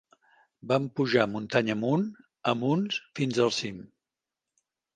Van pujar muntanya amunt, amunt fins al cim